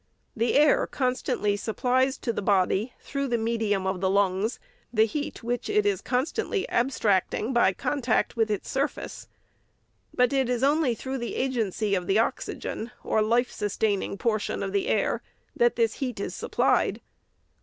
The a 'r constantly supplies to the body, through the me VOL. I. 29 450 EEPOBT OP THE SECRETARY dium of the lungs, the heat which it is constantly ab stracting by contact with its surface. But it is only through the agency of the oxygen, or life sustaining por tion of the air, that this heat is supplied.